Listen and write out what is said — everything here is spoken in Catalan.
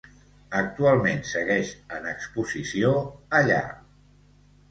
Actualment segueix en exposició allà.